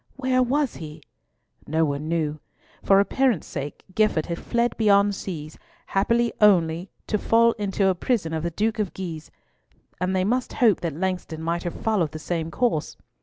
Where was he? No one knew. For appearance sake, Gifford had fled beyond seas, happily only to fall into a prison of the Duke of Guise: and they must hope that Langston might have followed the same course.